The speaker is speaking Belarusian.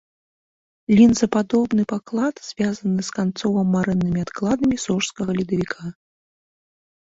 Лінзападобны паклад звязаны з канцова-марэннымі адкладамі сожскага ледавіка.